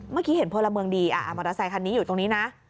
เมื่อกี้เห็นพลเมืองดีมอเตอร์ไซคันนี้อยู่ตรงนี้นะ